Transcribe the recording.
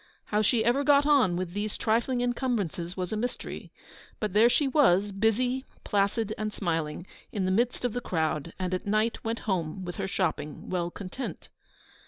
How she ever got on with these trifling incumbrances was a mystery; but there she was, busy, placid, and smiling, in the midst of the crowd, and at night went home with her shopping well content.